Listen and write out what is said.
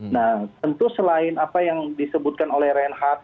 nah tentu selain apa yang disebutkan oleh reinhardt